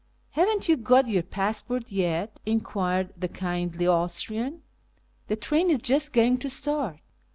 " Haven't you got you passport yet ?" enquired the kindly Austrian. " The train is just going to start."